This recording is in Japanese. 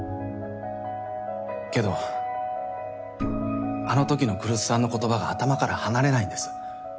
けどあのときの来栖さんの言葉が頭から離れないんです。